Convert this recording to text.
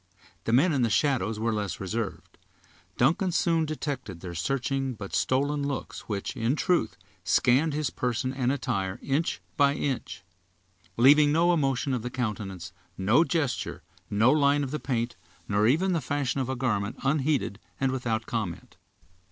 The men in the shadow were less reserved. Duncan soon detected their searching, but stolen, looks which, in truth, scanned his person and attire inch by inch; leaving no emotion of the countenance, no gesture, no line of the paint, nor even the fashion of a garment, unheeded, and without comment.